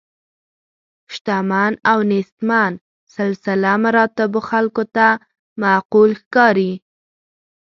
شتمن او نیستمن سلسله مراتبو خلکو ته معقول ښکاري.